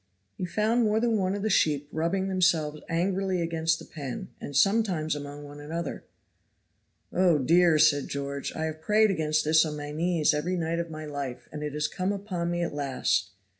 He found more than one of the new sheep rubbing themselves angrily against the pen, and sometimes among one another. "Oh dear!" said George, "I have prayed against this on my knees every night of my life, and it is come upon me at last.